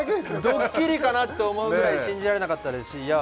ドッキリかなと思うぐらい信じられなかったですしいや